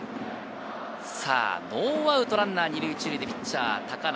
ノーアウトランナー１塁２塁でピッチャー・高梨。